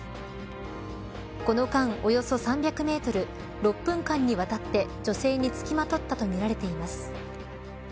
この間、およそ３００メートル６分間にわたって女性につきまとったとみられています。